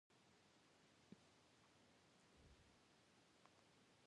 Here the asymptotic distribution is a degenerate distribution, corresponding to the value zero.